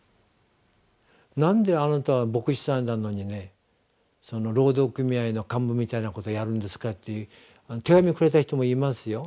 「なんであなたは牧師さんなのに労働組合の幹部みたいなことをやるんですか？」って手紙をくれた人もいますよ。